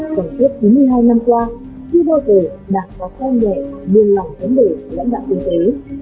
trong tiếp chín mươi hai năm qua chưa bao giờ đảng có say nhẹ nguyên lòng vấn đề của lãnh đạo kinh tế